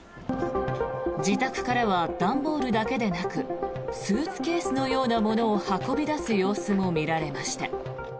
自宅からは段ボールだけでなくスーツケースのようなものを運び出す様子も見られました。